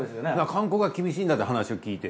韓国は厳しいんだって話を聞いてて。